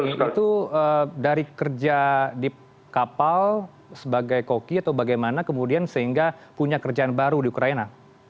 itu dari kerja di kapal sebagai koki atau bagaimana kemudian sehingga punya kerjaan baru di ukraina